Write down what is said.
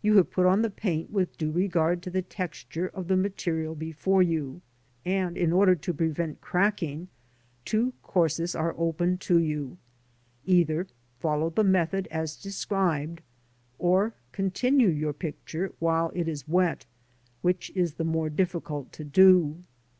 You have put on the paint with due regard to the texture of the material before you, and in order to prevent cracking, two courses are open to you — either follow the method as described, or con tinue your picture while it is wet, which is the more difficult to do.